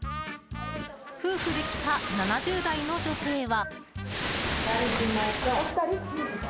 夫婦で来た、７０代の女性は。